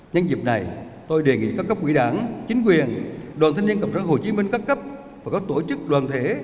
nhân dịp này tôi đề nghị các cấp quỹ đảng chính quyền đoàn thanh niên cộng sản hồ chí minh các cấp và các tổ chức đoàn thể